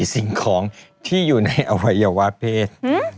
สิ่งของที่อยู่ในอวัยวะเพศ